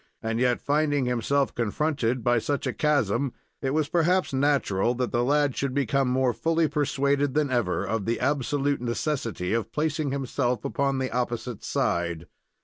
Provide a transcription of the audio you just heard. And yet, finding himself confronted by such a chasm, it was perhaps natural that the lad should become more fully pursuaded than ever of the absolute necessity of placing himself upon the opposite side.